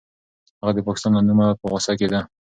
هغه د پاکستان له نومه په غوسه کېده.